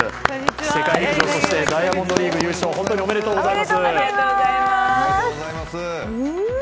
世界陸上、そしてダイヤモンドリーグ優勝おめでとうございます。